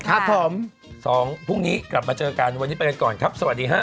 ครับผมสองพรุ่งนี้กลับมาเจอกันวันนี้ไปกันก่อนครับสวัสดีฮะ